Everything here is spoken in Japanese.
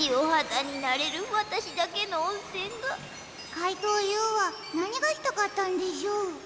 かいとうＵはなにがしたかったんでしょう？